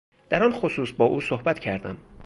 در آن خصوص با او صحبت کردم